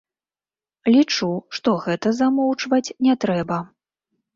Лічу, што гэта замоўчваць не трэба.